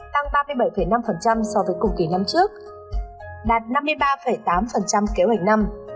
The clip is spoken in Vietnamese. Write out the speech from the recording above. tăng ba mươi bảy năm so với cùng kỳ năm trước đạt năm mươi ba tám kế hoạch năm